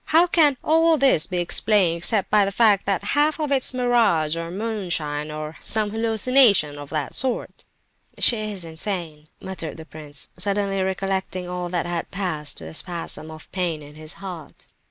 How can all this be explained except by the fact that half of it is mirage or moonshine, or some hallucination of that sort?" "She is insane," muttered the prince, suddenly recollecting all that had passed, with a spasm of pain at his heart.